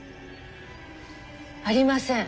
ありません。